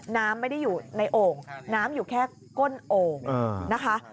น้ำไม่ได้อยู่ในโอ่งน้ำอยู่แค่ก้นโอ่งนะคะ